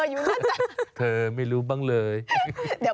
อันนี้ไม่แอบนะ